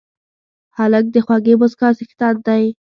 هلک د خوږې موسکا څښتن دی.